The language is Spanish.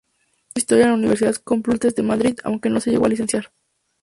Estudió Historia en la Universidad Complutense de Madrid, aunque no se llegó a licenciar.